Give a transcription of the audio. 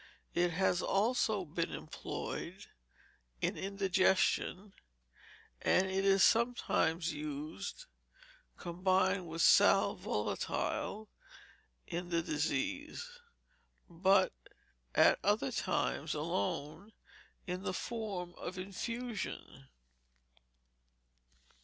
It has also been employed in indigestion, and it is sometimes used, combined with sal volatile, in that disease; but, at other times alone, in the form of infusion.